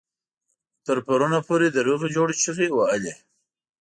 تر پرونه پورې د روغې جوړې چيغې وهلې.